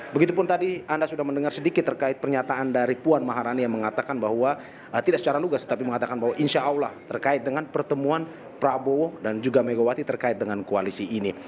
begitupun tadi anda sudah mendengar sedikit terkait pernyataan dari puan maharani yang mengatakan bahwa tidak secara lugas tetapi mengatakan bahwa insya allah terkait dengan pertemuan prabowo dan juga megawati terkait dengan koalisi ini